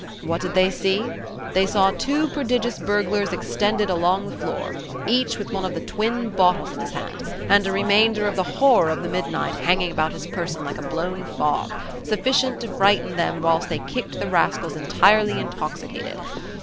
What did they see? They saw two prodigious burglars extended along the floor, each with one of the twin bottles in his hand, and a remainder of the horror of the midnight hanging about his person like a blown fog, sufficient to frighten them whilst they kicked the rascals entirely intoxicated.